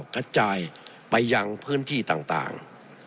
กระจายไปยังพื้นที่ต่าง